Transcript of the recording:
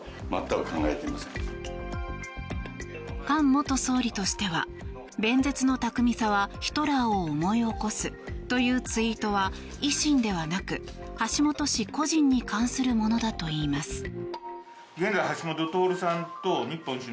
菅元総理としては弁舌の巧みさはヒットラーを思い起こすというツイートは維新ではなく橋下氏個人に関するものだといいます。